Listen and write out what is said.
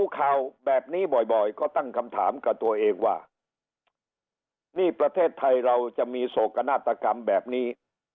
ก็ตั้งคำถามกับตัวเอกว่านี่ประเทศไทยเราจะมีโศกนาฏกรรมแบบนี้